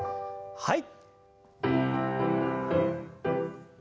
はい。